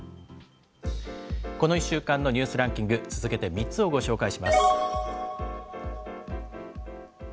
この１週間のニュースランキング、続けて３つをご紹介します。